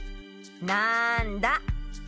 なんだ？